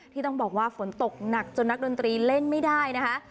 ที่ต้องบอกว่าฝนตกหนักจนนักดนตรีเล่นไม่ได้นะคะ